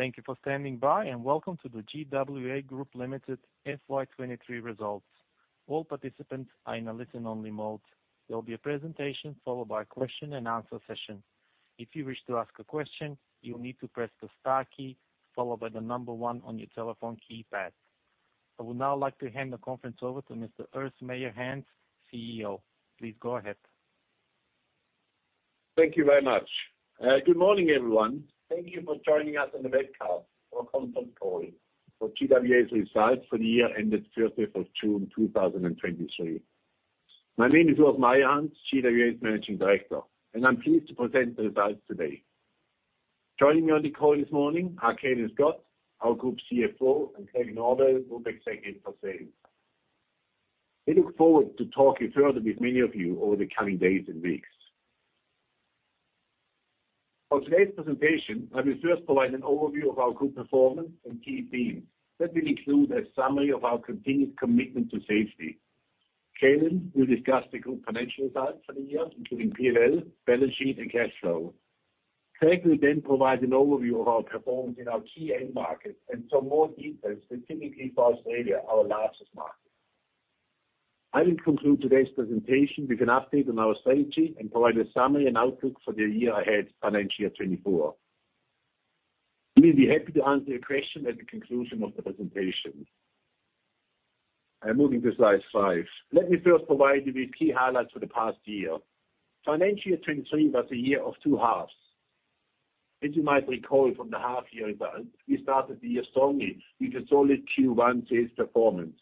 Thank you for standing by, and welcome to the GWA Group Limited FY 2023 results. All participants are in a listen-only mode. There will be a presentation followed by a question-and-answer session. If you wish to ask a question, you will need to press the star key, followed by the number one on your telephone keypad. I would now like to hand the conference over to Mr. Urs Meyerhans, CEO. Please go ahead. Thank you very much. Good morning, everyone. Thank you for joining us on the webcast or conference call for GWA's results for the year ended 30th of June, 2023. My name is Urs Meyerhans, GWA's Managing Director, and I'm pleased to present the results today. Joining me on the call this morning, are Calin Scott, our Group CFO, and Craig Norwell, Group Executive for Sales. We look forward to talking further with many of you over the coming days and weeks. For today's presentation, I will first provide an overview of our group performance and key themes that will include a summary of our continued commitment to safety. Calin will discuss the group financial results for the year, including PNL, balance sheet, and cash flow. Craig will provide an overview of our performance in our key end markets and some more details, specifically for Australia, our largest market. I will conclude today's presentation with an update on our strategy and provide a summary and outlook for the year ahead, FY24. We'll be happy to answer your question at the conclusion of the presentation. Moving to slide 5. Let me first provide you with key highlights for the past year. FY23 was a year of two halves. As you might recall from the half-year event, we started the year strongly with a solid Q1 sales performance.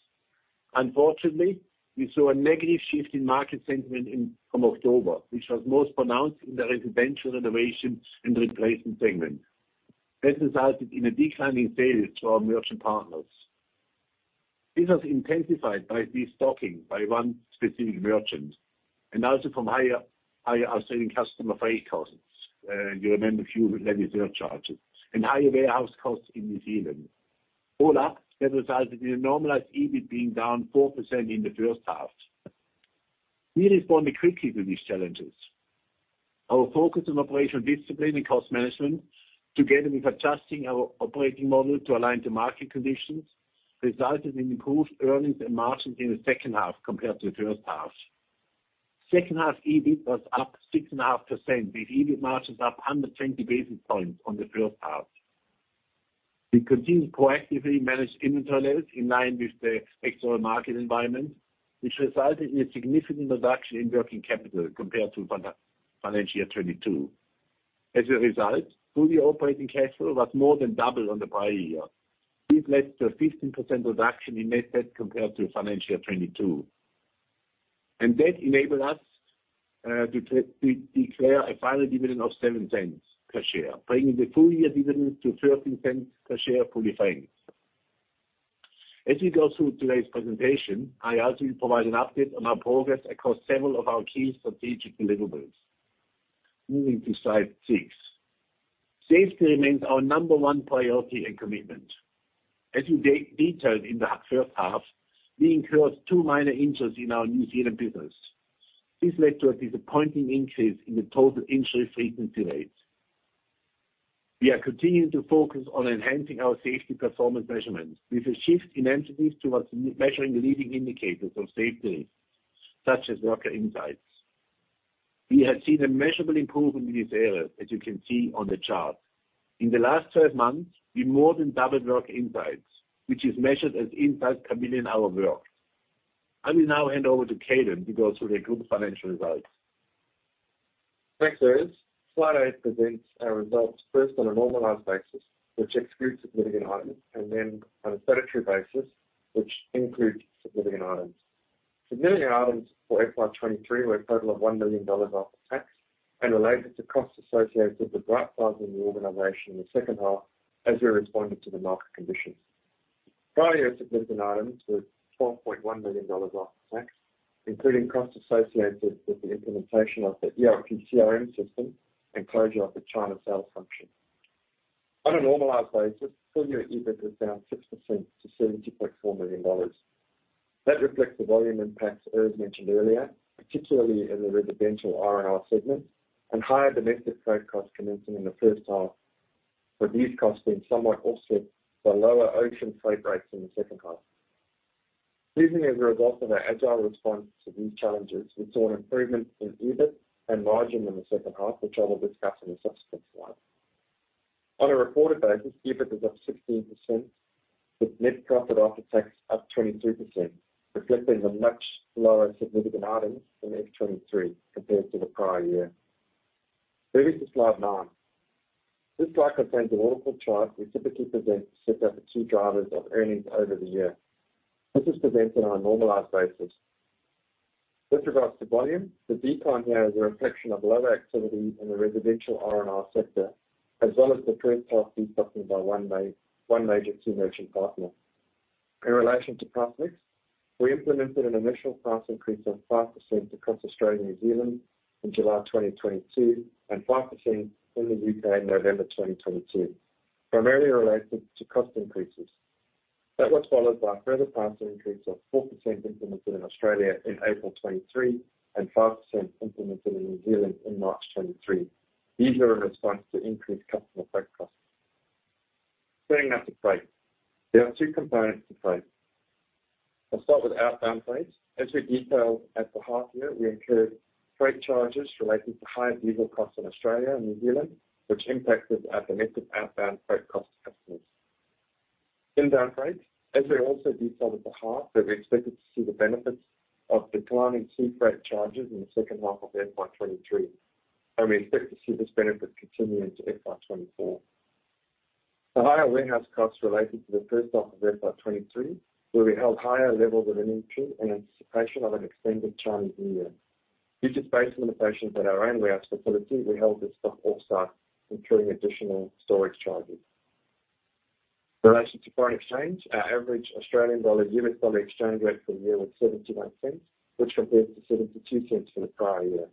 Unfortunately, we saw a negative shift in market sentiment from October, which was most pronounced in the residential R&R segment. This resulted in a declining sales to our merchant partners. This was intensified by destocking by 1 specific merchant, and also from higher, higher Australian customer freight costs. You remember a few heavy surcharges and higher warehouse costs in New Zealand. All up, that resulted in a normalized EBIT being down 4% in the first half. We responded quickly to these challenges. Our focus on operational discipline and cost management, together with adjusting our operating model to align to market conditions, resulted in improved earnings and margins in the second half compared to the first half. Second half, EBIT was up 6.5%, with EBIT margins up 120 basis points on the first half. We continued to proactively manage inventory levels in line with the external market environment, which resulted in a significant reduction in working capital compared to financial year 2022. As a result, full-year operating cash flow was more than double on the prior year. This led to a 15% reduction in net debt compared to FY22. That enabled us to declare a final dividend of 0.07 per share, bringing the full-year dividend to 0.13 per share, fully franked. As we go through today's presentation, I also will provide an update on our progress across several of our key strategic deliverables. Moving to slide 6. Safety remains our number one priority and commitment. As we detailed in H1, we incurred two minor injuries in our New Zealand business. This led to a disappointing increase in the TIFR. We are continuing to focus on enhancing our safety performance measurement, with a shift in emphasis towards measuring leading indicators of safety, such as worker insights. We have seen a measurable improvement in this area, as you can see on the chart. In the last 12 months, we more than doubled Worker insights, which is measured as insights per 1 million hour of work. I will now hand over to Calin to go through the group financial results. Thanks, Urs. Slide 8 presents our results first on a normalized basis, which excludes significant items, and then on a statutory basis, which includes significant items. Significant items for FY 2023 were a total of 1 million dollars after tax and related to costs associated with the right-sizing the organization in the second half, as we responded to the market conditions. Prior year significant items were 12.1 million dollars after tax, including costs associated with the implementation of the ERP/CRM system and closure of the China sales function. On a normalized basis, full-year EBIT is down 6% to 74 million dollars. That reflects the volume impacts, as mentioned earlier, particularly in the residential R&R segment, and higher domestic freight costs commencing in the first half, with these costs being somewhat offset by lower ocean freight rates in the second half. Even as a result of our agile response to these challenges, we saw an improvement in EBIT and margin in the second half, which I will discuss in a subsequent slide. On a reported basis, EBIT is up 16%, with net profit after tax up 22%, reflecting the much lower significant items in FY23 compared to the prior year. Moving to slide 9. This slide contains a waterfall chart we typically present to set out the 2 drivers of earnings over the year. This is presented on a normalized basis. With regards to volume, the decline here is a reflection of lower activity in the residential R&R sector, as well as the first half destocking by 1 major merchant partner. In relation to price mix, we implemented an initial price increase of 5% across Australia and New Zealand in July 2022, and 5% in the U.K. in November 2022, primarily related to cost increases. That was followed by a further price increase of 4% implemented in Australia in April 2023, and 5% implemented in New Zealand in March 2023. These are in response to increased customer freight costs. Turning now to freight. There are 2 components to freight. I'll start with outbound freight. As we detailed at the half year, we incurred freight charges related to higher diesel costs in Australia and New Zealand, which impacted our connected outbound freight cost to customers. Inbound freight, as we also detailed at the half, that we expected to see the benefits of declining sea freight charges in the second half of FY 2023, and we expect to see this benefit continue into FY 2024. The higher warehouse costs related to the first half of FY 2023, where we held higher levels of inventory in anticipation of an extended Chinese New Year. Due to space limitations at our own warehouse facility, we held this stock offsite, incurring additional storage charges. In relation to foreign exchange, our average Australian dollar, U.S. dollar exchange rate for the year was 0.79, which compares to 0.72 for the prior year.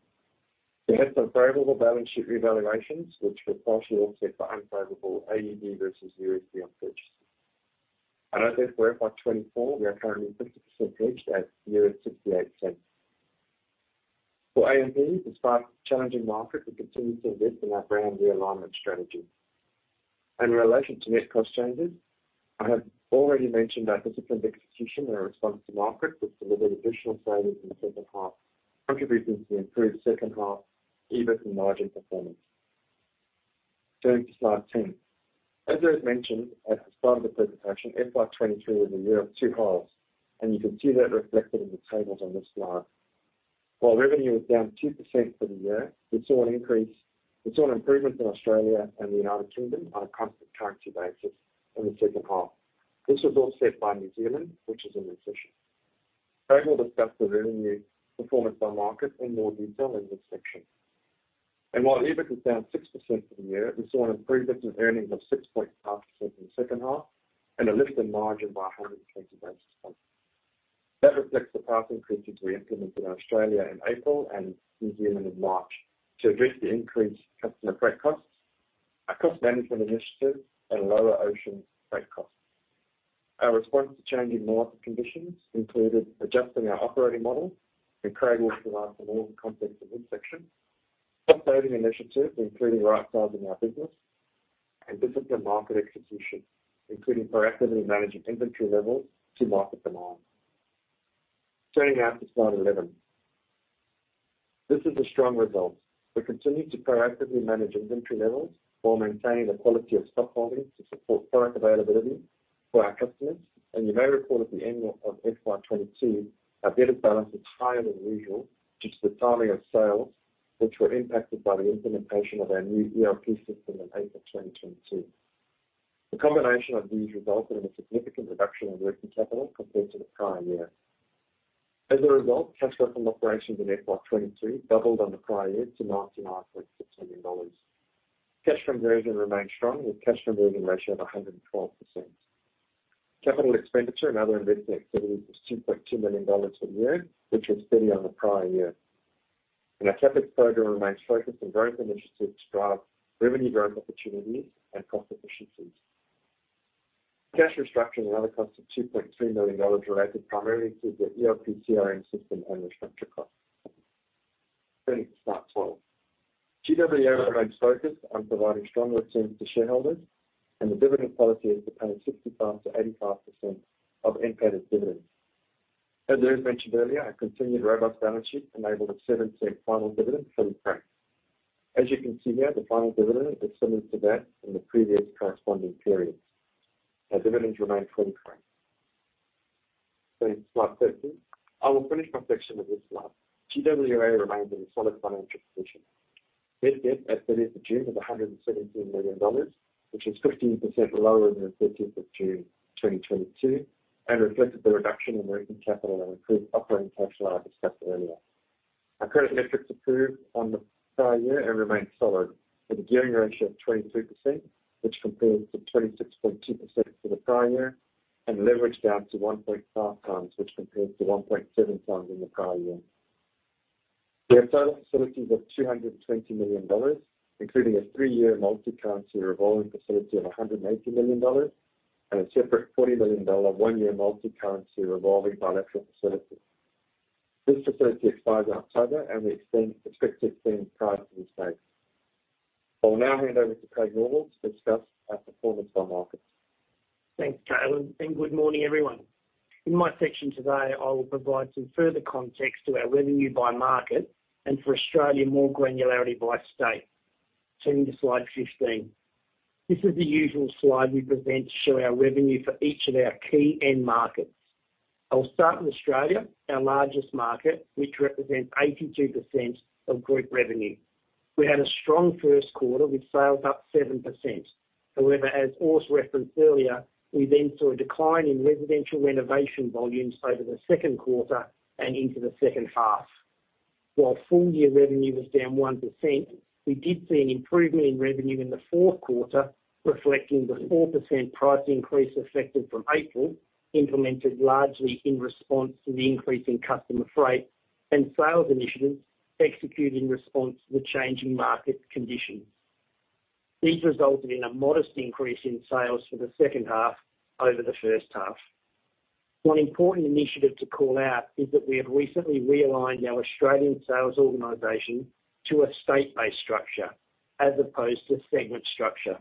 We had some favorable balance sheet revaluations, which were partially offset by unfavorable AUD versus USD on purchases. As at FY 2024, we are currently 50% hedged at 0.68. For AMP, despite the challenging market, we continue to invest in our brand realignment strategy. In relation to net cost changes, I have already mentioned our disciplined execution in response to market, which delivered additional savings in the second half, contributing to the improved second half, EBIT and margin performance. Turning to slide 10. As I had mentioned at the start of the presentation, FY 2023 was a year of two halves, and you can see that reflected in the tables on this slide. While revenue was down 2% for the year, we saw an improvement in Australia and the United Kingdom on a constant currency basis in the second half. This was offset by New Zealand, which is in recession. Craig will discuss the revenue performance by market in more detail in this section. While EBIT is down 6% for the year, we saw an improvement in earnings of 6.5% in the second half and a lift in margin by 120 basis points. That reflects the price increases we implemented in Australia in April and New Zealand in March to address the increased customer freight costs, our cost management initiatives, and lower ocean freight costs. Our response to changing market conditions included adjusting our operating model, and Craig will provide some more context in this section. Operating initiatives, including right-sizing our business and disciplined market execution, including proactively managing inventory levels to market demand. Turning now to slide 11. This is a strong result. We continue to proactively manage inventory levels while maintaining the quality of stock holdings to support product availability for our customers. You may recall at the end of FY 2022, our debt balance was higher than usual due to the timing of sales, which were impacted by the implementation of our new ERP system in April 2022. The combination of these resulted in a significant reduction in working capital compared to the prior year. As a result, cash flow from operations in FY 2022 doubled on the prior year to 99.6 million dollars. Cash conversion remains strong, with cash conversion ratio of 112%. Capital expenditure and other investment activity was 2.2 million dollars for the year, which was steady on the prior year. Our CapEx program remains focused on growth initiatives to drive revenue growth opportunities and cost efficiencies. Cash restructuring and other costs of 2.2 million dollars related primarily to the ERP CRM system and restructure costs. Turning to slide 12. GWA remains focused on providing strong returns to shareholders, and the dividend policy is to pay 65%-85% of NPAT as dividends. As I mentioned earlier, our continued robust balance sheet enabled a 0.07 final dividend, AUD 0.20. As you can see here, the final dividend is similar to that in the previous corresponding period. Our dividends remain 0.20. Turning to slide 13. I will finish my section with this slide. GWA remains in a solid financial position. Net debt at 30th of June is 117 million dollars, which is 15% lower than the 30th of June 2022, and reflected the reduction in working capital and improved operating cash flow I discussed earlier. Our credit metrics improved on the prior year and remain solid, with a gearing ratio of 22%, which compares to 26.2% for the prior year, and leverage down to 1.5x, which compares to 1.7x in the prior year. We have facility facilities of 220 million dollars, including a three-year multi-currency revolving facility of 180 million dollars and a separate 40 million dollar one-year multi-currency revolving bilateral facility. This facility expires in October, and we expect to extend prior to this date. I will now hand over to Craig Norwell to discuss our performance by market. Thanks, Calin, and good morning, everyone. In my section today, I will provide some further context to our revenue by market and for Australia, more granularity by state. Turning to slide 15. This is the usual slide we present to show our revenue for each of our key end markets. I'll start in Australia, our largest market, which represents 82% of group revenue. We had a strong first quarter with sales up 7%. However, as Urs referenced earlier, we then saw a decline in residential renovation volumes over the second quarter and into the second half. While full-year revenue was down 1%, we did see an improvement in revenue in the fourth quarter, reflecting the 4% price increase effective from April, implemented largely in response to the increase in customer freight and sales initiatives executed in response to the changing market conditions.... These resulted in a modest increase in sales for the second half over the first half. One important initiative to call out is that we have recently realigned our Australian sales organization to a state-based structure, as opposed to segment structure.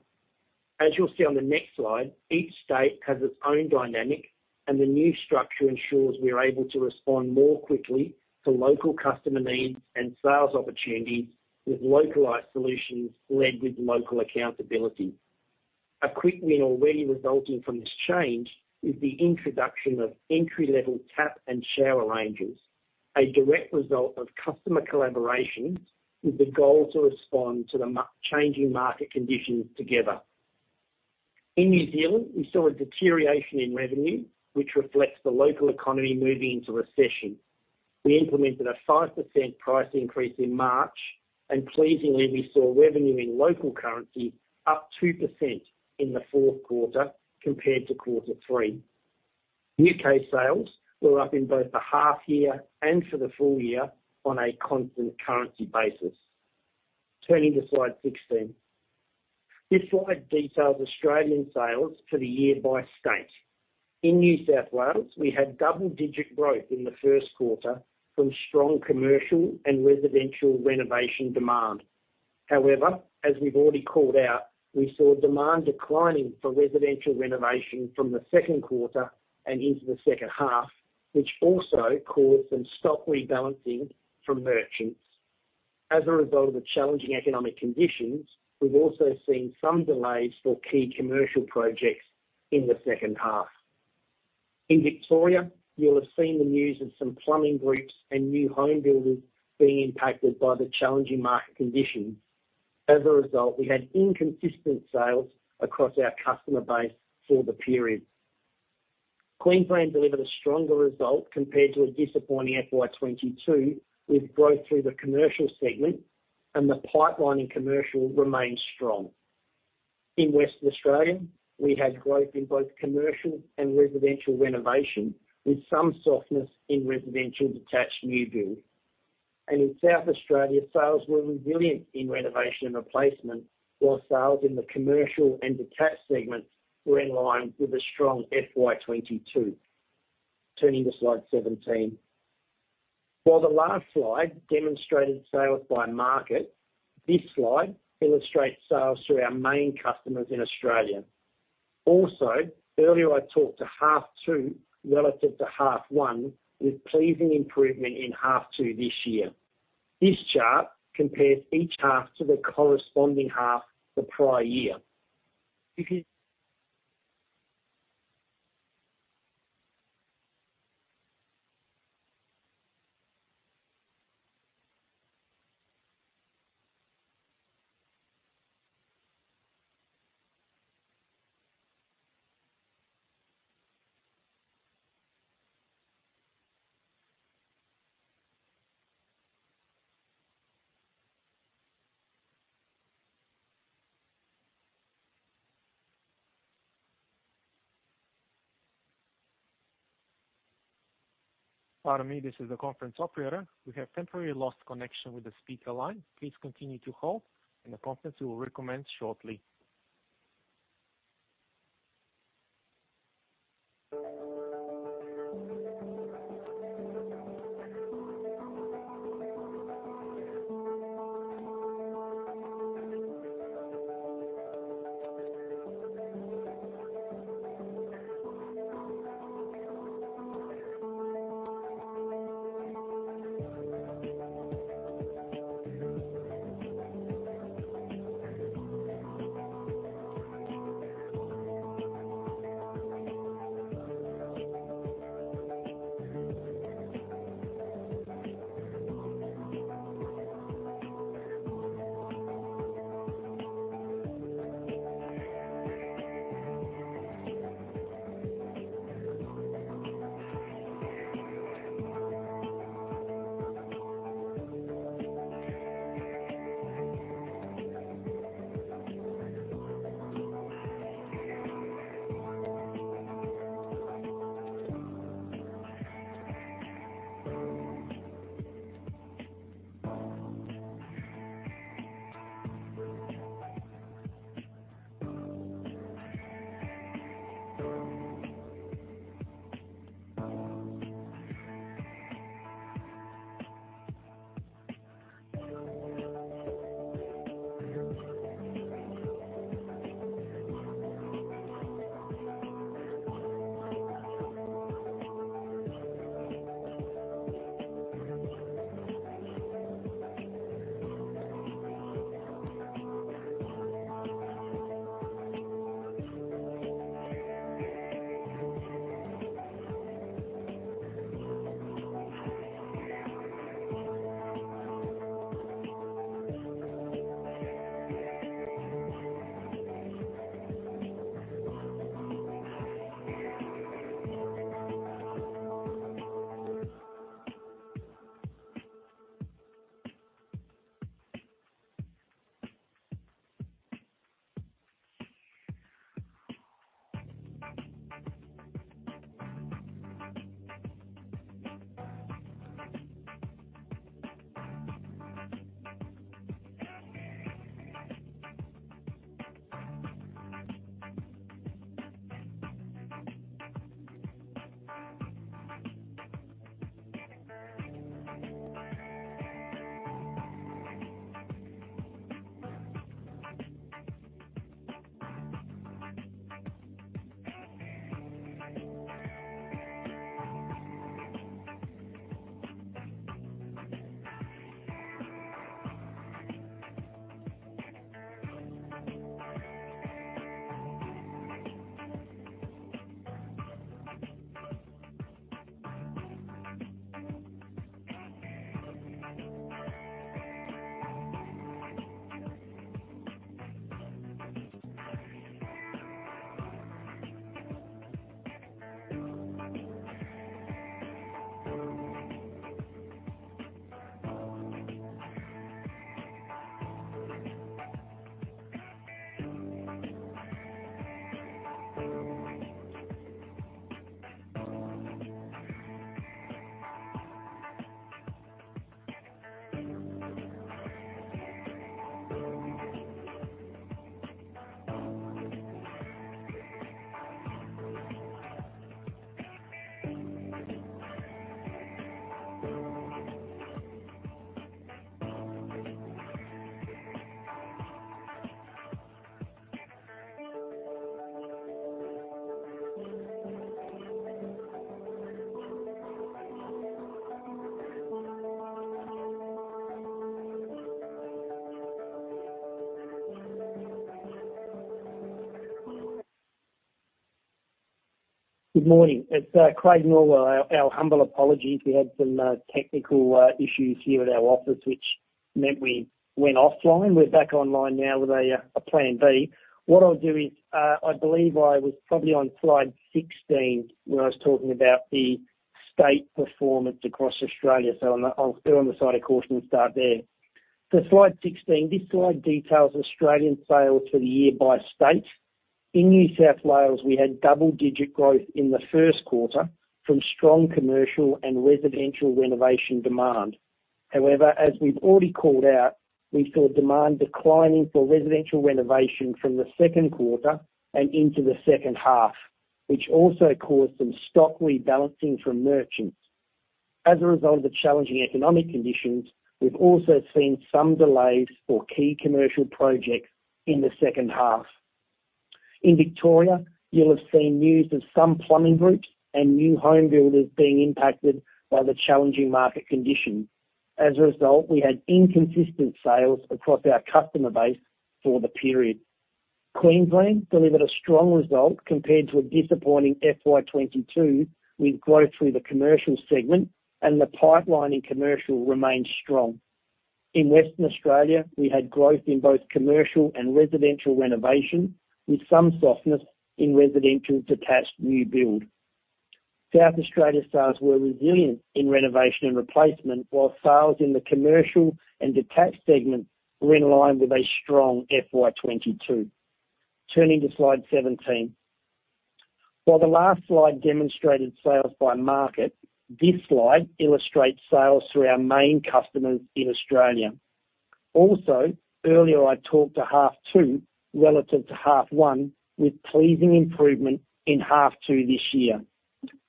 As you'll see on the next slide, each state has its own dynamic, and the new structure ensures we are able to respond more quickly to local customer needs and sales opportunities with localized solutions led with local accountability. A quick win already resulting from this change is the introduction of entry-level tap and shower ranges, a direct result of customer collaboration, with the goal to respond to the changing market conditions together. In New Zealand, we saw a deterioration in revenue, which reflects the local economy moving into recession. We implemented a 5% price increase in March, and pleasingly, we saw revenue in local currency up 2% in the fourth quarter compared to quarter three. UK sales were up in both the half year and for the full year on a constant currency basis. Turning to slide 16. This slide details Australian sales for the year by state. In New South Wales, we had double-digit growth in the first quarter from strong commercial and residential renovation demand. However, as we've already called out, we saw demand declining for residential renovation from the second quarter and into the second half, which also caused some stock rebalancing from merchants. As a result of the challenging economic conditions, we've also seen some delays for key commercial projects in the second half. In Victoria, you'll have seen the news of some plumbing groups and new home builders being impacted by the challenging market conditions. As a result, we had inconsistent sales across our customer base for the period. Queensland delivered a stronger result compared to a disappointing FY 2022, with growth through the commercial segment. The pipeline in commercial remains strong. In Western Australia, we had growth in both commercial and residential renovation, with some softness in residential detached new build. In South Australia, sales were resilient in renovation and replacement, while sales in the commercial and detached segments were in line with a strong FY 2022. Turning to slide 17. While the last slide demonstrated sales by market, this slide illustrates sales through our main customers in Australia. Earlier, I talked to H2 relative to H1, with pleasing improvement in H2 this year. This chart compares each half to the corresponding half the prior year. Pardon me, this is the conference operator. We have temporarily lost connection with the speaker line. Please continue to hold and the conference will recommence shortly. Good morning. It's Craig Norwell. Our humble apologies. We had some technical issues here at our office, which meant we went offline. We're back online now with a plan B. What I'll do is, I believe I was probably on slide 16 when I was talking about the state performance across Australia. On that, I'll err on the side of caution and start there. Slide 16, this slide details Australian sales for the year by state. In New South Wales, we had double-digit growth in the first quarter from strong commercial and residential renovation demand. However, as we've already called out, we saw demand declining for residential renovation from the second quarter and into the second half, which also caused some stock rebalancing from merchants. As a result of the challenging economic conditions, we've also seen some delays for key commercial projects in the second half. In Victoria, you'll have seen news of some plumbing groups and new home builders being impacted by the challenging market conditions. As a result, we had inconsistent sales across our customer base for the period. Queensland delivered a strong result compared to a disappointing FY 2022, with growth through the commercial segment, and the pipeline in commercial remains strong. In Western Australia, we had growth in both commercial and residential Renovation, with some softness in residential detached new build. South Australia sales were resilient in Renovation and Replacement, while sales in the commercial and detached segment were in line with a strong FY 2022. Turning to slide 17. While the last slide demonstrated sales by market, this slide illustrates sales through our main customers in Australia. Earlier, I talked to H2 relative to H1, with pleasing improvement in H2 this year.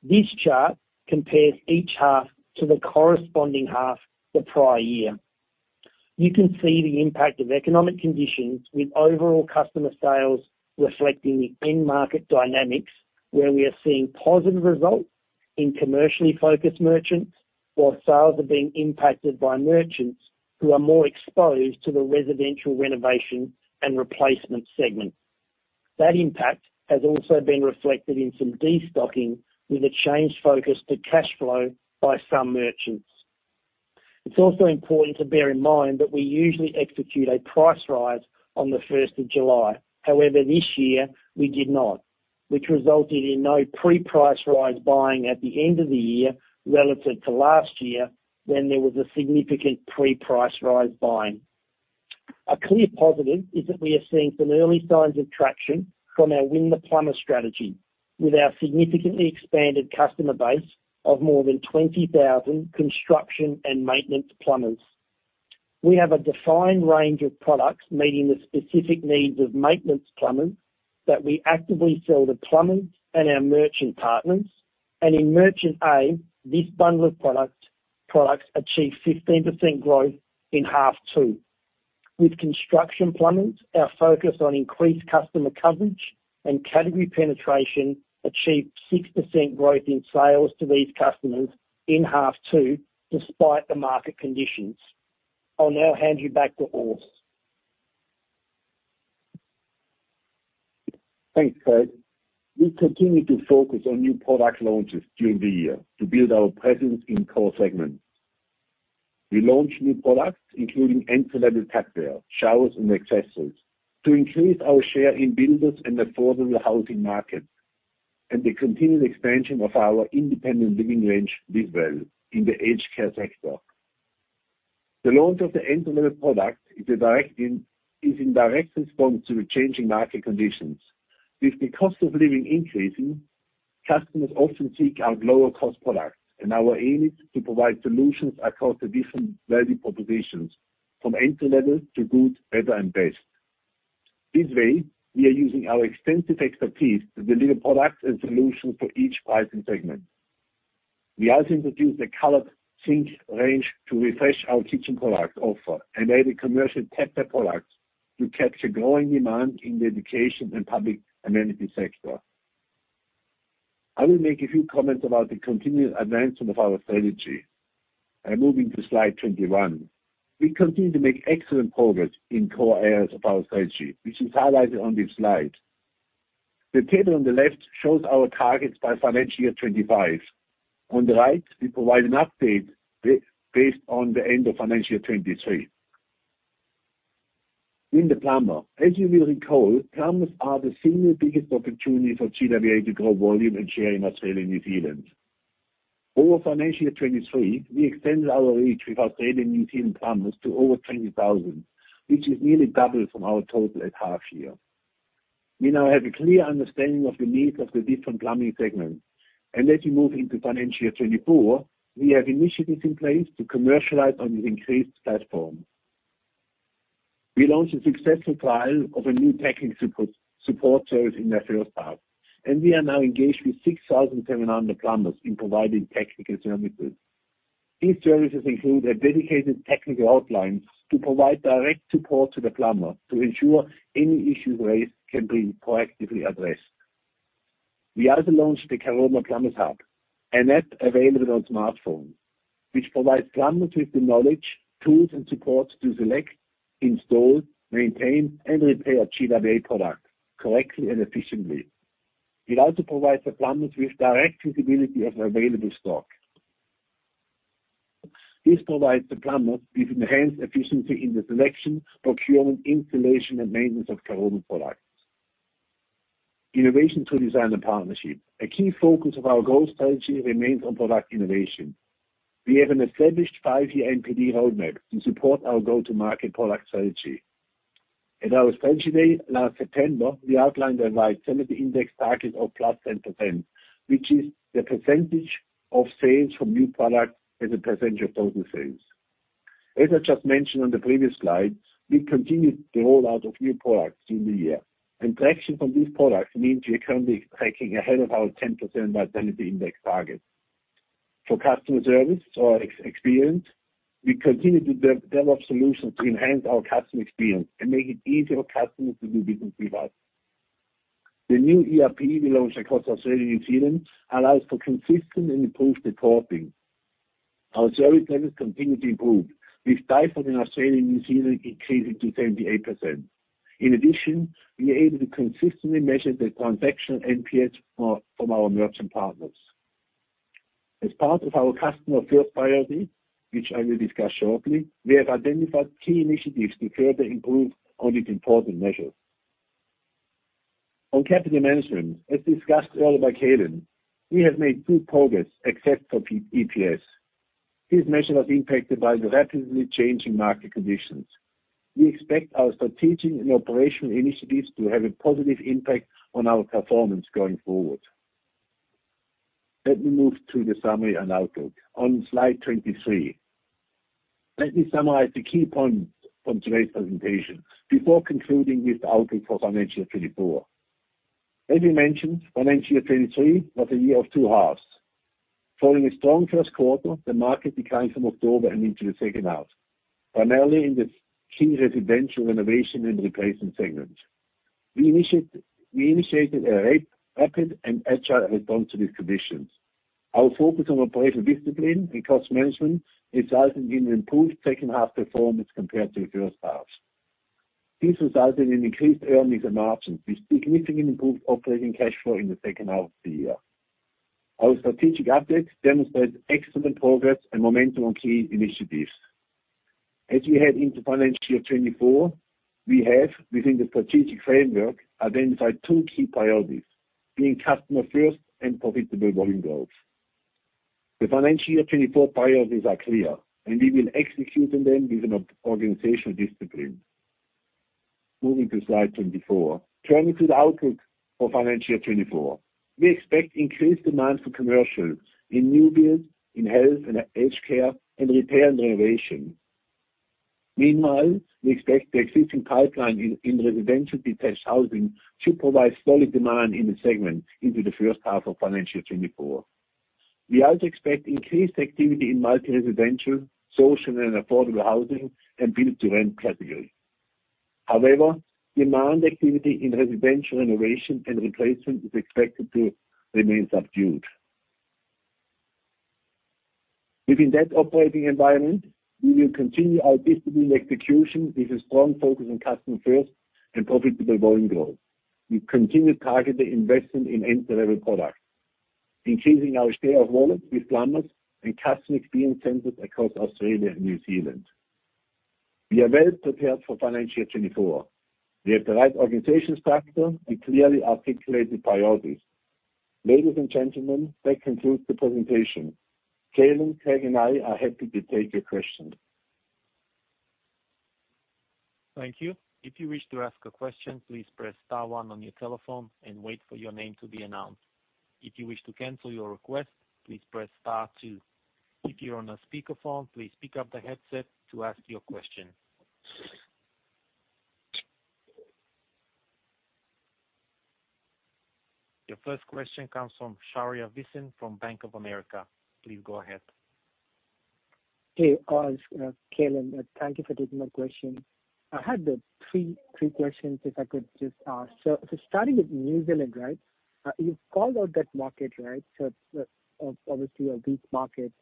This chart compares each H to the corresponding H the prior year. You can see the impact of economic conditions with overall customer sales reflecting the end market dynamics, where we are seeing positive results in commercially focused merchants, while sales are being impacted by merchants who are more exposed to the residential R&R segment. That impact has also been reflected in some destocking, with a changed focus to cash flow by some merchants. It's also important to bear in mind that we usually execute a price rise on the 1st of July. However, this year we did not, which resulted in no pre-price rise buying at the end of the year relative to last year when there was a significant pre-price rise buying. A clear positive is that we are seeing some early signs of traction from our Win the Plumber strategy, with our significantly expanded customer base of more than 20,000 construction and maintenance plumbers. We have a defined range of products meeting the specific needs of maintenance plumbers, that we actively sell to plumbers and our merchant partners. In merchant A, this bundle of products achieved 15% growth in half two. With construction plumbers, our focus on increased customer coverage and category penetration achieved 6% growth in sales to these customers in half two, despite the market conditions. I'll now hand you back to Urs. Thanks, Craig. We continued to focus on new product launches during the year to build our presence in core segments. We launched new products, including entry-level tapware, showers, and accessories, to increase our share in builders and affordable housing markets, and the continued expansion of our independent living range did well in the aged care sector. The launch of the entry-level product is in direct response to the changing market conditions. With the cost of living increasing, customers often seek out lower cost products, and our aim is to provide solutions across the different value propositions, from entry level to good, better, and best. This way, we are using our extensive expertise to deliver products and solutions for each pricing segment. We also introduced a colored sink range to refresh our kitchen product offer, and added commercial tether products to capture growing demand in the education and public amenities sector. I will make a few comments about the continued advancement of our strategy, moving to slide 21. We continue to make excellent progress in core areas of our strategy, which is highlighted on this slide. The table on the left shows our targets by financial year 25. On the right, we provide an update based on the end of financial year 23. In the plumber, as you will recall, plumbers are the single biggest opportunity for GWA to grow volume and share in Australia and New Zealand. Over financial year 23, we extended our reach with Australia and New Zealand plumbers to over 20,000, which is nearly double from our total at half year. We now have a clear understanding of the needs of the different plumbing segments, as we move into financial year 2024, we have initiatives in place to commercialize on this increased platform. We launched a successful trial of a new technical support service in the first half, we are now engaged with 6,700 plumbers in providing technical services. These services include a dedicated technical outlines to provide direct support to the plumber to ensure any issue raised can be proactively addressed. We also launched the Caroma Plumbers Hub, an app available on smartphone, which provides plumbers with the knowledge, tools and support to select, install, maintain, and repair GWA products correctly and efficiently. It also provides the plumbers with direct visibility of available stock. This provides the plumber with enhanced efficiency in the selection, procurement, installation, and maintenance of Caroma products. Innovation through design and partnership. A key focus of our growth strategy remains on product innovation. We have an established five-year NPD roadmap to support our go-to-market product strategy. At our strategy day last September, we outlined a vitality index target of +10%, which is the % of sales from new products as a % of total sales. As I just mentioned on the previous slide, we continued the rollout of new products through the year, and traction from these products means we are currently tracking ahead of our 10% vitality index target. For customer service or experience, we continue to develop solutions to enhance our customer experience and make it easier for customers to do business with us. The new ERP we launched across Australia and New Zealand allows for consistent and improved reporting. Our service levels continue to improve, with satisfaction in Australia and New Zealand increasing to 78%. In addition, we are able to consistently measure the transaction NPS from our merchant partners. As part of our customer first priority, which I will discuss shortly, we have identified key initiatives to further improve on this important measure. On capital management, as discussed earlier by Calin, we have made good progress except for EPS. This measure was impacted by the rapidly changing market conditions. We expect our strategic and operational initiatives to have a positive impact on our performance going forward. Let me move to the summary and outlook on slide 23. Let me summarize the key points from today's presentation before concluding with the outlook for financial year 2024. As we mentioned, financial year 2023 was a year of two halves. Following a strong first quarter, the market declined from October and into the second half, primarily in the key residential renovation and replacement segment. We initiated a rapid and agile response to these conditions. Our focus on operational discipline and cost management resulted in improved second half performance compared to the first half. This resulted in increased earnings and margins, with significantly improved operating cash flow in the second half of the year. Our strategic updates demonstrate excellent progress and momentum on key initiatives. As we head into financial year 2024, we have, within the strategic framework, identified two key priorities, being customer first and profitable volume growth. The financial year 2024 priorities are clear, and we will execute on them with an organizational discipline. Moving to slide 24. Turning to the outlook for financial year 2024. We expect increased demand for commercial in new builds, in health and aged care, and repair and renovation. Meanwhile, we expect the existing pipeline in residential detached housing to provide solid demand in the segment into the first half of financial year 2024. We also expect increased activity in multi-residential, social and affordable housing, and build-to-rent categories. However, demand activity in residential renovation and replacement is expected to remain subdued. Within that operating environment, we will continue our disciplined execution with a strong focus on customer first and profitable volume growth. We continue to target the investment in entry-level products, increasing our share of wallet with plumbers and customer experience centers across Australia and New Zealand. We are well prepared for financial year 2024. We have the right organization structure and clearly articulated priorities. Ladies and gentlemen, that concludes the presentation. Calin, Craig, and I are happy to take your questions.... Thank you. If you wish to ask a question, please press star 1 on your telephone and wait for your name to be announced. If you wish to cancel your request, please press star 2. If you're on a speakerphone, please pick up the headset to ask your question. Your 1st question comes from Shaurya Visen from Bank of America. Please go ahead. Hey, Urs, Calin, thank you for taking my question. I had 3, 3 questions, if I could just ask. Starting with New Zealand, right? You've called out that market, right? Ob-obviously, a weak market.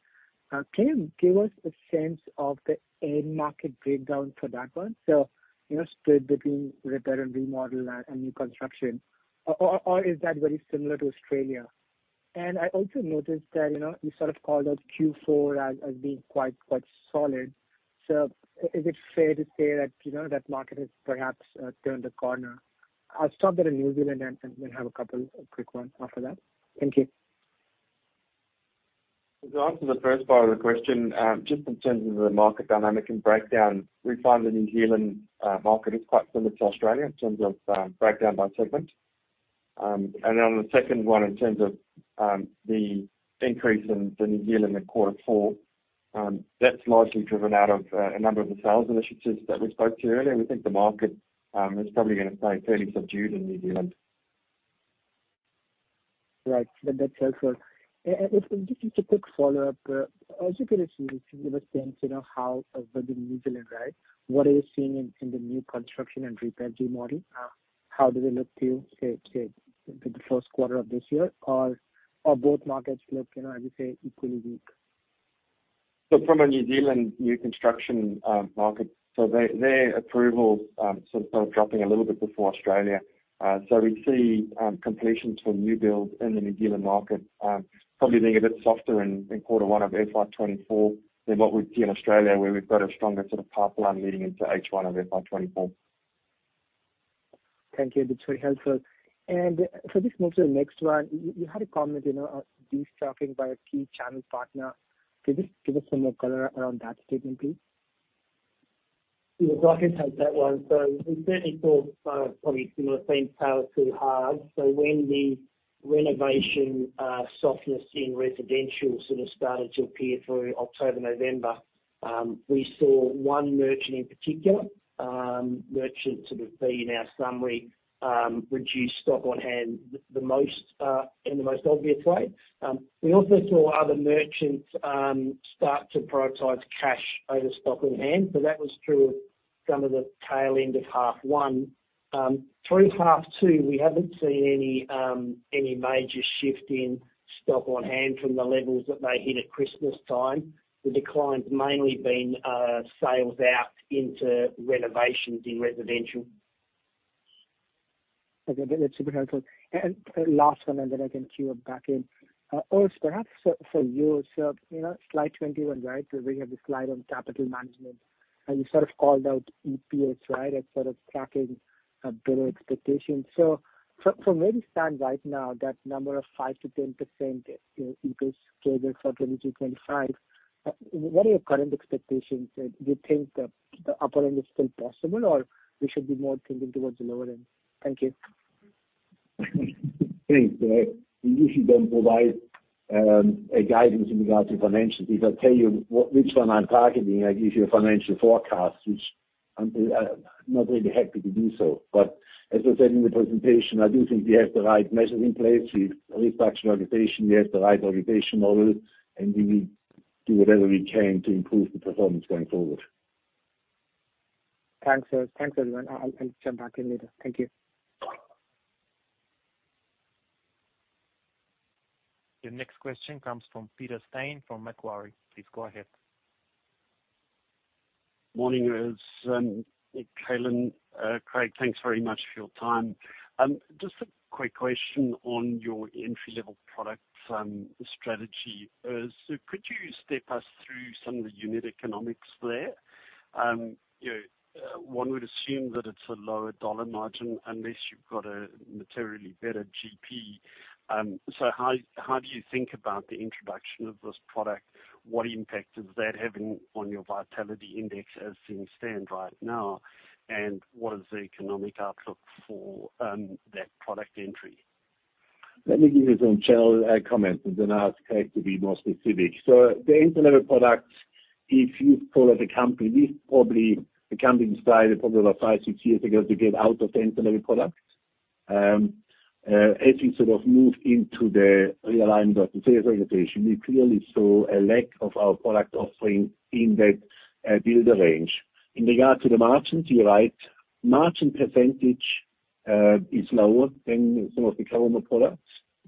Can you give us a sense of the end market breakdown for that one? You know, split between repair and remodel and, and new construction, or, or, or is that very similar to Australia? I also noticed that, you know, you sort of called out Q4 as, as being quite, quite solid. I-is it fair to say that, you know, that market has perhaps turned a corner? I'll stop there in New Zealand and, and then have a couple of quick ones after that. Thank you. To answer the first part of the question, just in terms of the market dynamic and breakdown, we find the New Zealand market is quite similar to Australia in terms of breakdown by segment. On the second one, in terms of the increase in the New Zealand in quarter four, that's largely driven out of a number of the sales initiatives that we spoke to earlier. We think the market is probably gonna stay fairly subdued in New Zealand. Right. That, that's helpful. Just, just a quick follow-up, as you get a sense, give a sense, you know, how within New Zealand, right, what are you seeing in, in the new construction and repair G model? How do they look to you, say, say, the first quarter of this year, or, or both markets look, you know, as you say, equally weak? From a New Zealand new construction market, so they, their approval sort of started dropping a little bit before Australia. We see completions for new builds in the New Zealand market probably being a bit softer in in quarter one of FY 2024 than what we'd see in Australia, where we've got a stronger sort of pipeline leading into H1 of FY 2024. Thank you. That's very helpful. So just move to the next one. You had a comment, you know, destocking by a key channel partner. Could you give us some more color around that statement, please? Yeah, I can take that one. We certainly thought, probably similar themes tail too hard. When the renovation, softness in residential sort of started to appear through October, November, we saw one merchant in particular, merchant sort of be in our summary, reduce stock on hand the most, in the most obvious way. We also saw other merchants, start to prioritize cash over stock on hand, so that was through some of the tail end of half one. Through half two, we haven't seen any, any major shift in stock on hand from the levels that they hit at Christmas time. The decline's mainly been, sales out into renovations in residential. Okay, that's super helpful. Last one, and then I can queue it back in. Urs, perhaps for you. You know, slide 21, right, where we have the slide on capital management, and you sort of called out EPS, right? As sort of tracking a better expectation. From where you stand right now, that number of 5%-10% EPS scheduled for 2020-2025, what are your current expectations? Do you think the upper end is still possible, or we should be more thinking towards the lower end? Thank you. Thanks. We usually don't provide a guidance in regards to financials. If I tell you what, which one I'm targeting, I give you a financial forecast, which I'm not really happy to do so. As I said in the presentation, I do think we have the right measures in place. We've restructured organization, we have the right organization model, and we will do whatever we can to improve the performance going forward. Thanks, Urs. Thanks, everyone. I'll, I'll jump back in later. Thank you. Your next question comes from Peter Steyn, from Macquarie. Please go ahead. Morning, Urs, Calin, Craig, thanks very much for your time. Just a quick question on your entry-level products, strategy. Urs, could you step us through some of the unit economics there? You know, one would assume that it's a lower dollar margin unless you've got a materially better GP. How, how do you think about the introduction of this product? What impact is that having on your vitality index as things stand right now? What is the economic outlook for that product entry? Let me give you some general comments, and then ask Craig to be more specific. The entry-level products, if you follow the company, we've probably, the company decided probably about 5, 6 years ago, to get out of the entry-level products. As you sort of move into the realignment of the sales organization, we clearly saw a lack of our product offering in that builder range. In regard to the margins, you're right, margin percentage is lower than some of the current products.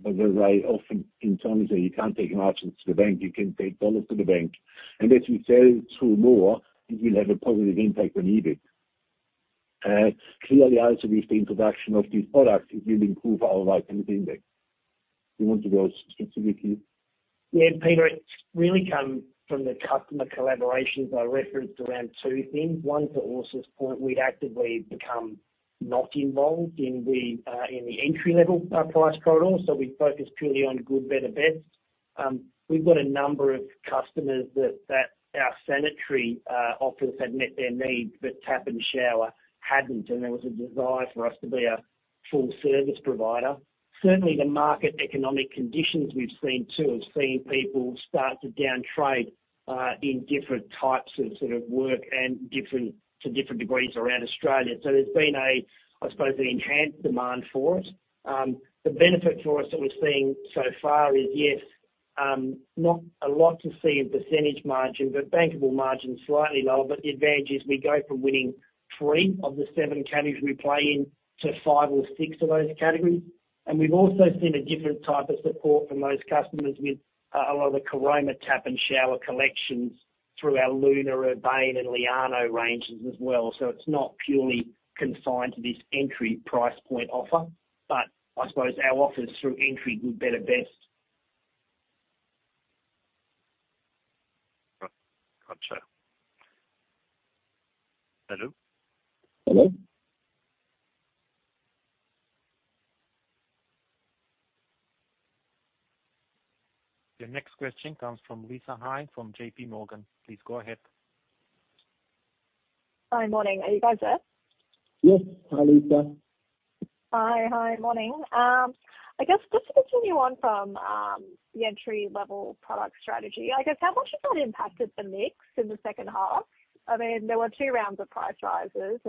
As I often in terms of, you can't take margins to the bank, you can take dollars to the bank. As we sell through more, it will have a positive impact on EBIT. Clearly, also with the introduction of these products, it will improve our vitality index. You want to go specifically? Yeah, Peter, it's really come from the customer collaborations I referenced around two things. One, to Urs' point, we've actively become not involved in the in the entry-level price product, so we've focused purely on good, better, best. We've got a number of customers that, that our sanitaryware offers had met their needs, but tap and shower hadn't, and there was a desire for us to be a full service provider. Certainly, the market economic conditions we've seen, too, have seen people start to downtrade in different types of sort of work and to different degrees around Australia. There's been a, I suppose, an enhanced demand for it. The benefit for us that we're seeing so far is, yes, not a lot to see in % margin, but bankable margin, slightly lower. The advantage is we go from winning 3 of the 7 categories we play in to 5 or 6 of those categories. We've also seen a different type of support from those customers with a lot of the Caroma tap and shower collections through our Lunar, Urbane, and Liano ranges as well. It's not purely confined to this entry price point offer, but I suppose our offers through entry, good, better, best. Got you. Hello? Hello. The next question comes from Lisa Hau from JP Morgan. Please go ahead. Hi. Morning. Are you guys there? Yes. Hi, Lisa. Hi. Hi, morning. I guess just to continue on from, the entry-level product strategy, I guess how much has that impacted the mix in the second half? I mean, there were 2 rounds of price rises,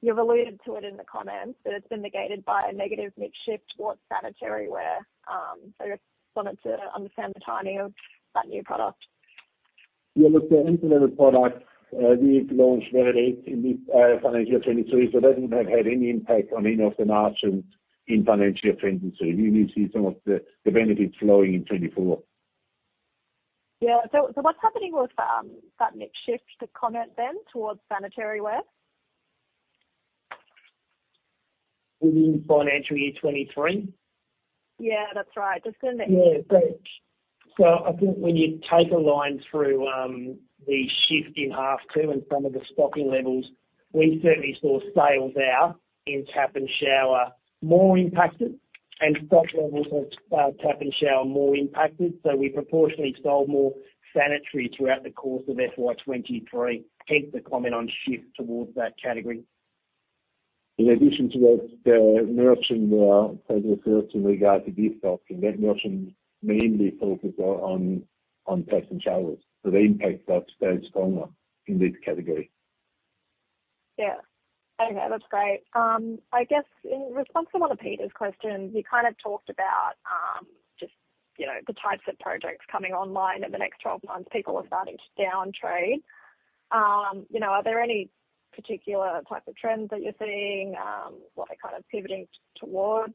and you've alluded to it in the comments, but it's been negated by a negative mix shift towards sanitaryware. I just wanted to understand the timing of that new product. Yeah, look, the entry-level product, we've launched very in this, financial year 2023, it doesn't have had any impact on any of the margins in financial year 2022. You will see some of the, the benefits flowing in 2024. Yeah. So what's happening with, that mix shift to comment then towards sanitaryware? You mean financial year 2023? Yeah, that's right. Just going to- Yeah. I think when you take a line through, the shift in H2 and some of the stocking levels, we certainly saw sales out in tapware and shower, more impacted, and stock levels of, tapware and shower, more impacted. We proportionally sold more sanitaryware throughout the course of FY23, hence the comment on shift towards that category. In addition to what, Nelson, as referred to in regard to this stock, and that Nelson mainly focuses on, on tap and showers. The impact of that is stronger in this category. Yeah. Okay, that's great. I guess in response to one of Peter's questions, you kind of talked about, just, you know, the types of projects coming online in the next 12 months. People are starting to downtrade. You know, are there any particular types of trends that you're seeing, what they're kind of pivoting towards?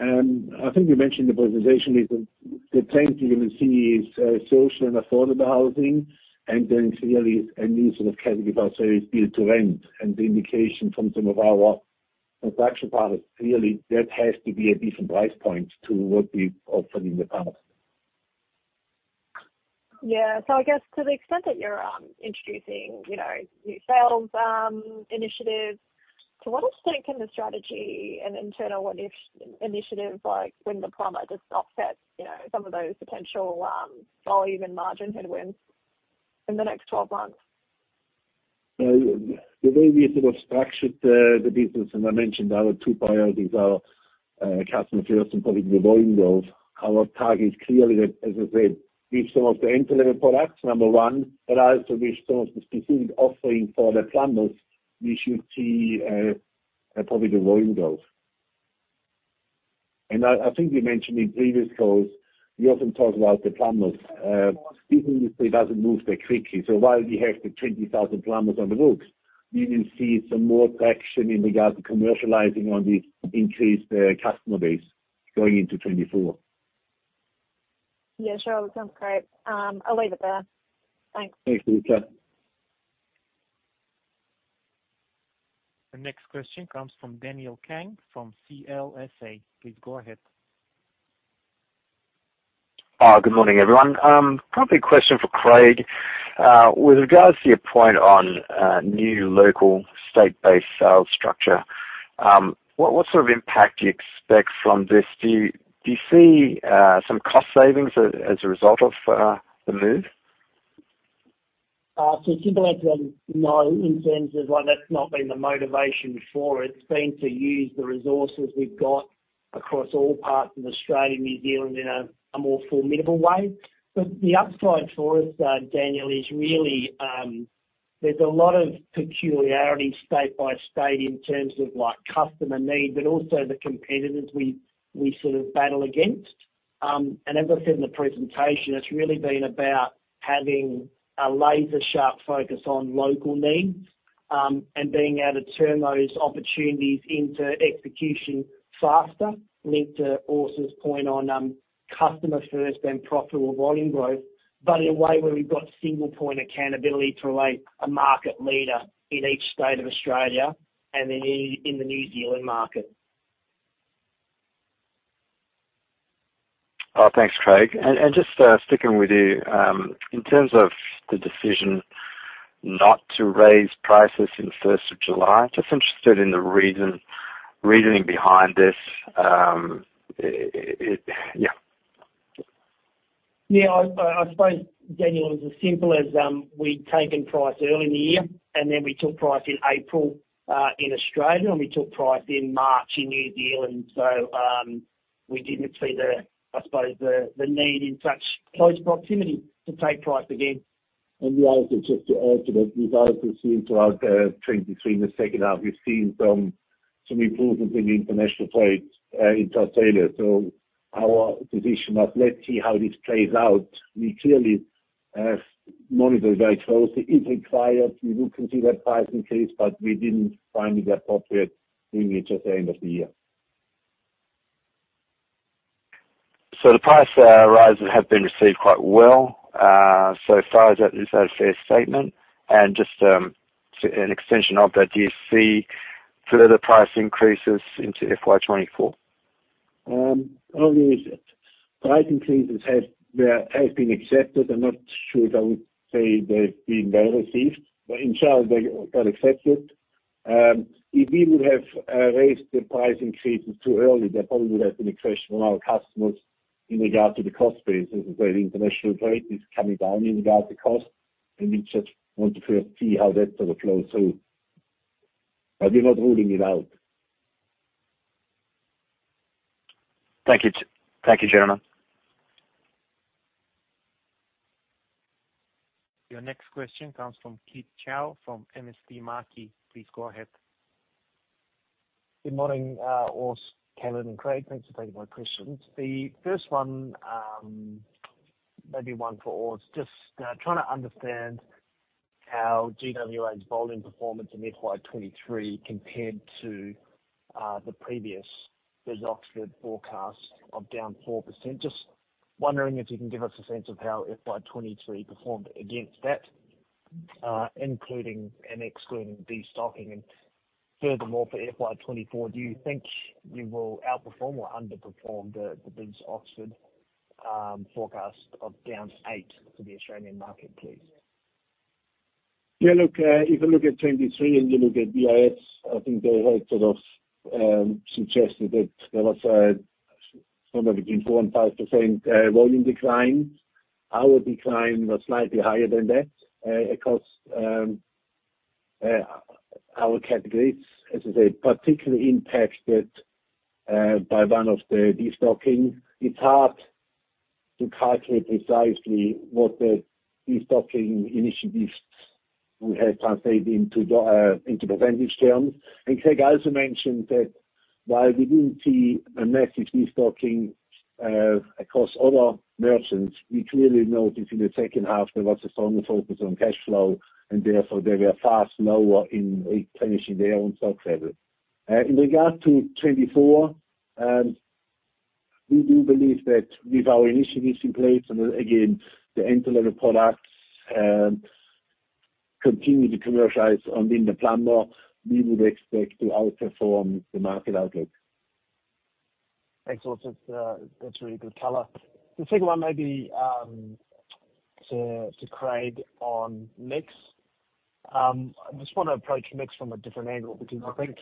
I think we mentioned the presentation is the trend you're going to see is social and affordable housing, and then clearly a new sort of category build to rent. The indication from some of our production partners, clearly there has to be a different price point to what we've offered in the past. I guess to the extent that you're introducing, you know, new sales initiatives, what else do you think in the strategy and internal initiative, like Win the Plumber, to offset, you know, some of those potential volume and margin headwinds in the next 12 months? The way we sort of structured the business, I mentioned our two priorities are customer first and public volume growth. Our target is clearly that, as I said, with some of the entry-level products, number one, but also with some of the specific offerings for the plumbers, we should see probably the volume growth. I think we mentioned in previous calls, we often talk about the plumbers. This industry doesn't move that quickly. While we have the 20,000 plumbers on the books, you will see some more traction in regards to commercializing on the increased customer base going into 2024. Yeah, sure. Sounds great. I'll leave it there. Thanks. Thanks, Lisa. The next question comes from Daniel Kang from CLSA. Please go ahead. Good morning, everyone. Probably a question for Craig. With regards to your point on new local state-based sales structure, what, what sort of impact do you expect from this? Do you, do you see some cost savings as a result of the move? Simply, no, in terms of. That's not been the motivation for it. It's been to use the resources we've got across all parts of Australia, New Zealand, in a more formidable way. The upside for us, Daniel, is really, there's a lot of peculiarities state by state in terms of, like, customer need, but also the competitors we sort of battle against. As I said in the presentation, it's really been about having a laser-sharp focus on local needs and being able to turn those opportunities into execution faster, linked to also this point on customer first and profitable volume growth, but in a way where we've got single point accountability through a market leader in each state of Australia and in the New Zealand market. Oh, thanks, Craig. Just sticking with you, in terms of the decision-... not to raise prices in the first of July? Just interested in the reason, reasoning behind this. It, yeah. I, I suppose, Daniel, it's as simple as, we'd taken price early in the year, and then we took price in April, in Australia, and we took price in March in New Zealand. We didn't see the, I suppose, the, the need in such close proximity to take price again. We also, just to add to that, we've also seen throughout 2023, in the second half, we've seen some, some improvements in the international trade into Australia. Our position of let's see how this plays out, we clearly have monitored very closely. If required, we will consider a price increase, but we didn't find it appropriate doing it at the end of the year. The price rises have been received quite well so far. Is that a fair statement? And just, an extension of that, do you see further price increases into FY 24? Obviously, price increases have, were, have been accepted. I'm not sure if I would say they've been well received, but in short, they got accepted. If we would have raised the price increases too early, there probably would have been a question from our customers in regard to the cost base, as well as international rate is coming down in regard to cost, and we just want to first see how that sort of flows through. We're not ruling it out. Thank you. Thank you, Jerona. Your next question comes from Keith Chau from MST Marquee. Please go ahead. Good morning, Urs, Calin, and Craig. Thanks for taking my questions. The first one, maybe one for Urs. Just trying to understand how GWA's volume performance in FY 2023 compared to the previous BIS Oxford Economics forecast of down 4%. Just wondering if you can give us a sense of how FY 2023 performed against that, including and excluding destocking. Furthermore, for FY 2024, do you think you will outperform or underperform the, the BIS Oxford Economics forecast of down 8% for the Australian market, please? Yeah, look, if you look at 23 and you look at BIS, I think they had sort of suggested that there was somewhere between 4 and 5% volume decline. Our decline was slightly higher than that across our categories, as I say, particularly impacted by one of the destocking. It's hard to calculate precisely what the destocking initiatives would have translated into into percentage terms. Craig also mentioned that while we didn't see a massive destocking across other merchants, we clearly noticed in the second half there was a stronger focus on cash flow, and therefore, they were far slower in replenishing their own stock level. In regards to 2024, we do believe that with our initiatives in place and again, the end delivery products, continue to commercialize on Win the Plumber, we would expect to outperform the market outlook. Thanks, Urs. That's, that's really good color. The second one may be, to, to Craig on mix. I just want to approach mix from a different angle because I think,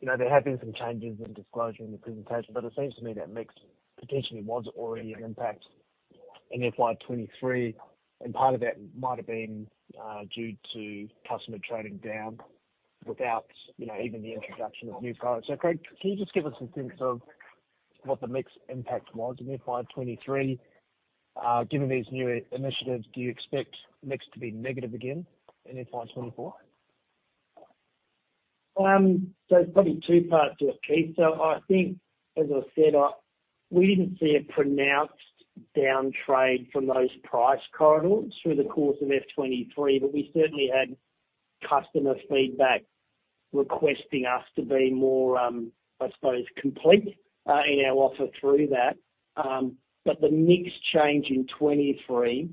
you know, there have been some changes in disclosure in the presentation, but it seems to me that mix potentially was already an impact in FY 2023, and part of that might have been due to customer trading down without, you know, even the introduction of new products. Craig, can you just give us some sense of what the mix impact was in FY 2023? Given these new initiatives, do you expect next to be negative again in FY 2024? probably two parts to it, Keith. I think, as I said, we didn't see a pronounced down trade from those price corridors through the course of FY23, but we certainly had customer feedback requesting us to be more, I suppose, complete in our offer through that. The mix change in 23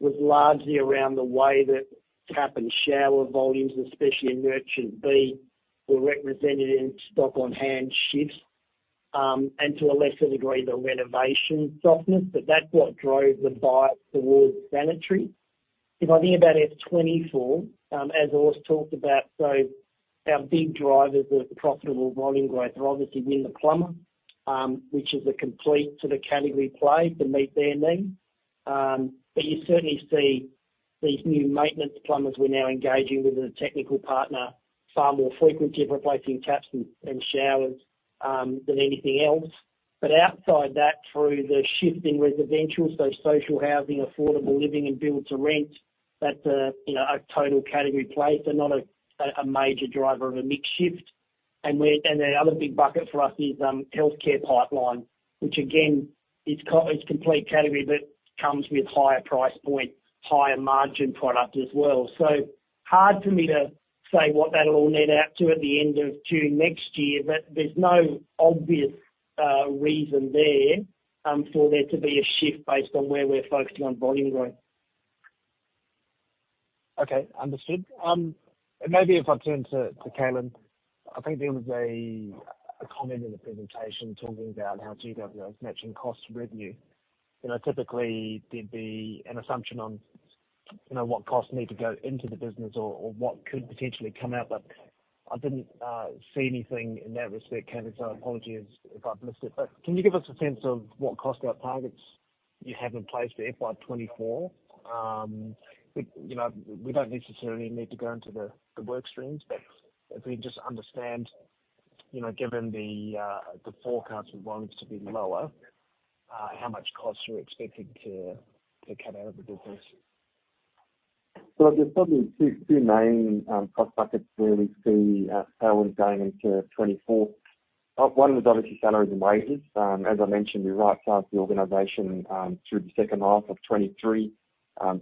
was largely around the way that tapware and shower volumes, especially in merchant B, were represented in stock on hand shifts, and to a lesser degree, the renovation softness. That's what drove the buy towards sanitaryware. If I think about FY24, as Urs talked about, our big drivers of profitable volume growth are obviously Win the Plumber, which is a complete sort of category play to meet their needs. You certainly see these new maintenance plumbers we're now engaging with as a technical partner, far more frequently replacing taps and, and showers than anything else. Outside that, through the shift in residential, so social housing, affordable living, and build to rent, that's a, you know, a total category play, so not a, a major driver of a mix shift. The other big bucket for us is healthcare pipeline, which again, is it's complete category, but comes with higher price point, higher margin product as well. Hard for me to say what that'll all net out to at the end of June next year, but there's no obvious reason there for there to be a shift based on where we're focusing on volume growth. Okay, understood. Maybe if I turn to, to Calin, I think there was a comment in the presentation talking about how GWA's matching cost revenue. You know, typically there'd be an assumption on, you know, what costs need to go into the business or what could potentially come out. I didn't see anything in that respect, Calin. Apologies if I've missed it. Can you give us a sense of what cost out targets you have in place for FY 24? You know, we don't necessarily need to go into the work streams, but if we just understand, you know, given the forecast volumes to be lower, how much costs are we expecting to cut out of the business? There's probably two, two main cost buckets where we see how we're going into 2024. One is obviously salaries and wages. As I mentioned, we right-sized the organization through the second half of 2023.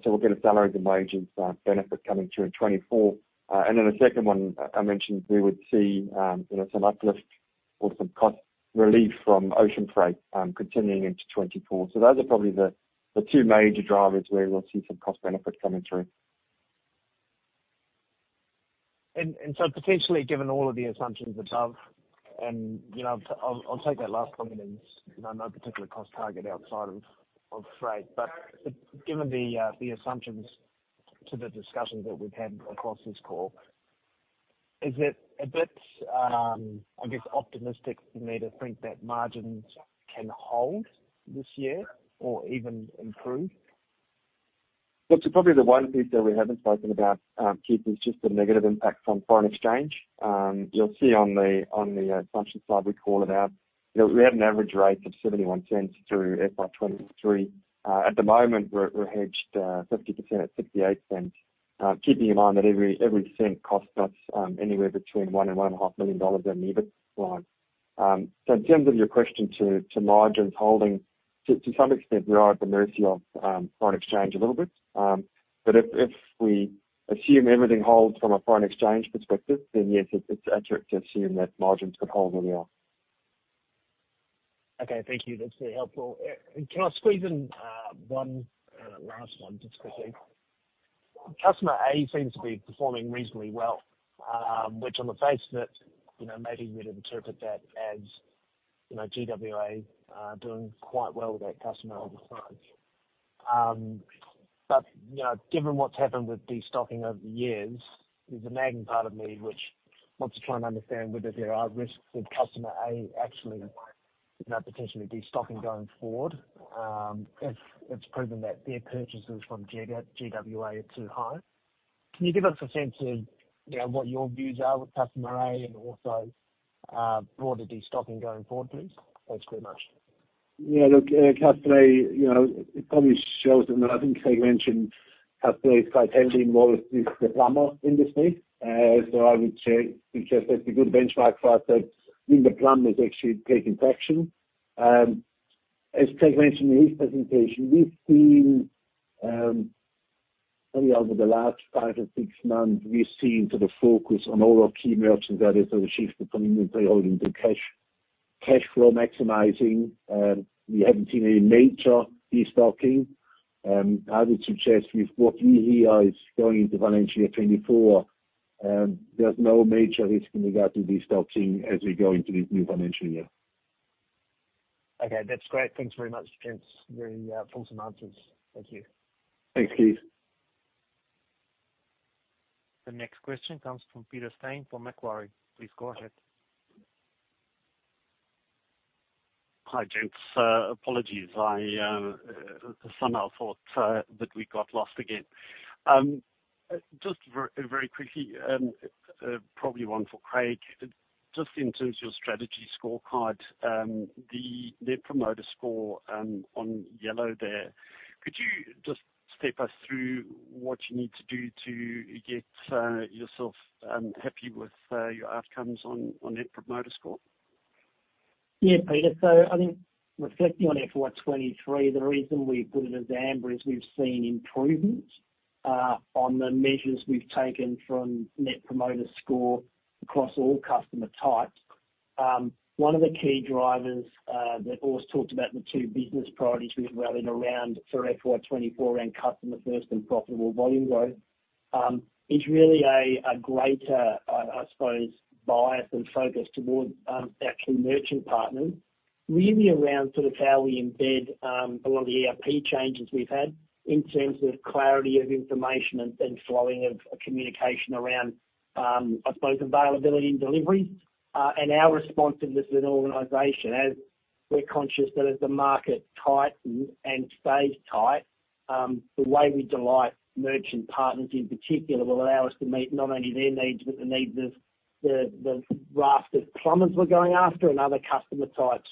We'll get a salaries and wages benefit coming through in 2024. And then the second one, I, I mentioned we would see, you know, some uplift or some cost relief from ocean freight continuing into 2024. Those are probably the two major drivers where we'll see some cost benefit coming through. Potentially, given all of the assumptions above, and, you know, I'll, I'll take that last comment as, you know, no particular cost target outside of, of freight. Given the assumptions to the discussions that we've had across this call, is it a bit, I guess, optimistic for me to think that margins can hold this year or even improve? Look, probably the one piece that we haven't spoken about, Keith, is just the negative impact from foreign exchange. You'll see on the, on the, assumption side, we call it out. You know, we had an average rate of $0.71 through FY23. At the moment, we're, we're hedged, 50% at $0.68. Keeping in mind that every, every cent costs us, anywhere between 1 million-1.5 million dollars on EBIT line. In terms of your question to, to margins holding, to, to some extent, we are at the mercy of, foreign exchange a little bit. If, if we assume everything holds from a foreign exchange perspective, then yes, it's accurate to assume that margins could hold where we are. Okay, thank you. That's very helpful. Can I squeeze in one last one just quickly? Customer A seems to be performing reasonably well, which on the face of it, you know, maybe we'd interpret that as, you know, GWA doing quite well with that customer over time. Given what's happened with destocking over the years, there's a nagging part of me which wants to try and understand whether there are risks with customer A, actually, you know, potentially destocking going forward, if it's proven that their purchases from GWA are too high. Can you give us a sense of, you know, what your views are with customer A and also broader destocking going forward, please? Thanks very much. Customer you know, it probably shows, and I think Craig mentioned, customer A is quite heavily involved with the plumber industry. I would say because that's a good benchmark for us, that mean the plumbers actually taking action. As Craig mentioned in his presentation, we've seen, probably over the last five or six months, we've seen sort of focus on all our key merchants, that is the shift from inventory holding to cash, cash flow maximizing. We haven't seen any major destocking. I would suggest with what we hear is going into FY 2024, there's no major risk in regard to destocking as we go into the new financial year. Okay, that's great. Thanks very much, gents. Very, fulsome answers. Thank you. Thanks, Keith. The next question comes from Peter Stein from Macquarie. Please go ahead. Hi, gents. Apologies. I somehow thought that we got lost again. Just ver- very quickly, probably one for Craig. Just in terms of your strategy scorecard, the net promoter score on yellow there. Could you just step us through what you need to do to get yourself happy with your outcomes on net promoter score? Yeah, Peter. I think reflecting on FY 2023, the reason we put it as amber is we've seen improvement, on the measures we've taken from net promoter score across all customer types. One of the key drivers, that always talked about the two business priorities we've rallied around for FY 2024, around customer first and profitable volume growth, is really a, a greater, I suppose, bias and focus towards, our key merchant partners. Really around sort of how we embed, a lot of the ERP changes we've had in terms of clarity of information and, and flowing of communication around, I suppose availability and deliveries, and our responsiveness as an organization. As we're conscious that as the market tightens and stays tight, the way we delight merchant partners in particular, will allow us to meet not only their needs, but the needs of the, the raft of plumbers we're going out after and other customer types.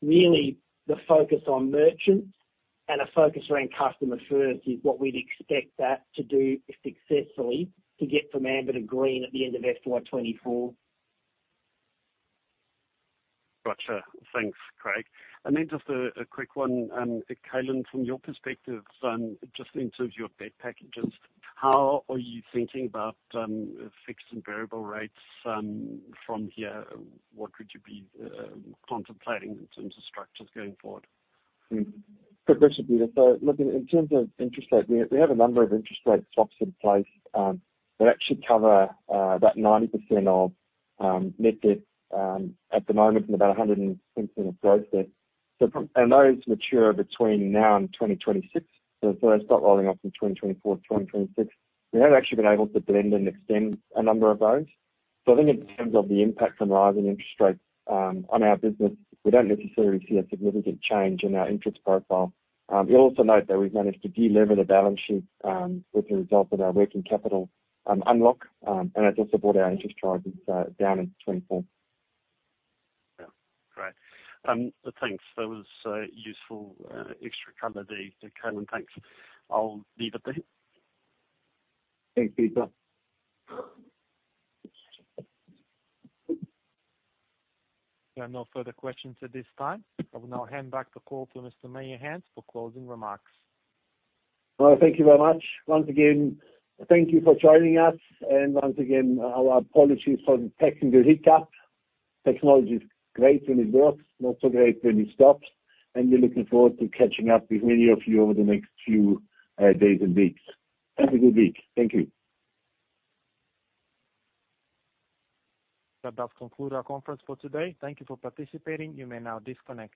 Really, the focus on merchants and a focus around customer first, is what we'd expect that to do successfully to get from amber to green at the end of FY 2024. Gotcha. Thanks, Craig. Then just a, a quick one, Calin, from your perspective, just in terms of your debt packages, how are you thinking about fixed and variable rates from here? What could you be contemplating in terms of structures going forward? Mm-hmm. Progressive data. Look, in, in terms of interest rate, we, we have a number of interest rate swaps in place that actually cover about 90% of net debt at the moment, and about 160% of growth there. Those mature between now and 2026, they start rolling out from 2024 to 2026. We have actually been able to blend and extend a number of those. I think in terms of the impact from rising interest rates on our business, we don't necessarily see a significant change in our interest profile. You'll also note that we've managed to delever the balance sheet with the result of our working capital unlock, that's also brought our interest charges down in 2024. Yeah. Great. Thanks. That was, useful, extra color there, Calin. Thanks. I'll leave it there. Thanks, Peter. There are no further questions at this time. I will now hand back the call to Mr. Meyerhans for closing remarks. Well, thank you very much. Once again, thank you for joining us, and once again, our apologies for the technical hiccup. Technology is great when it works, not so great when it stops, and we're looking forward to catching up with many of you over the next few days and weeks. Have a good week. Thank you. That does conclude our conference for today. Thank Thank you for participating. You may now disconnect.